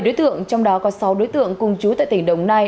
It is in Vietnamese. chín đối tượng trong đó có sáu đối tượng cùng chú tại tỉnh đồng nai